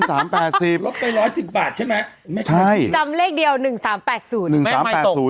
งันสามแปดสิบลบไปร้อยสิบบาทใช่ไหมใช่จำเลขเดียวหนึ่งสามแปดศูนย์